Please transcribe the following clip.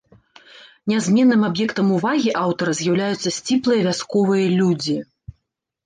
Нязменным аб'ектам увагі аўтара з'яўляюцца сціплыя вясковыя людзі.